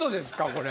これ。